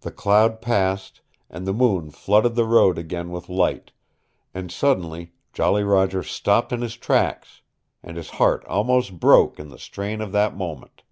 The cloud passed, and the moon flooded the road again with light and suddenly Jolly Roger stopped in his tracks, and his heart almost broke in the strain of that moment.